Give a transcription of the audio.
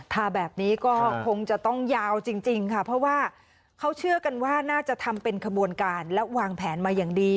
ทาแบบนี้ก็คงจะต้องยาวจริงค่ะเพราะว่าเขาเชื่อกันว่าน่าจะทำเป็นขบวนการและวางแผนมาอย่างดี